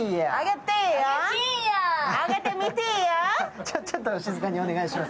ちょっと静かにお願いします。